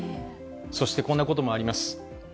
そしてこんなこともあります。